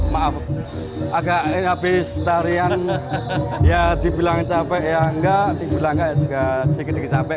maaf agak habis tarian ya dibilang capek ya enggak dibilang juga sedikit sedikit capek